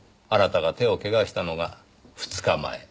あなたが手を怪我したのが２日前。